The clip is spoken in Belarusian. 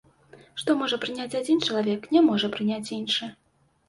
Што можа прыняць адзін чалавек, не можа прыняць іншы.